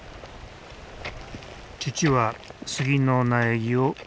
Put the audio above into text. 父は杉の苗木を植える。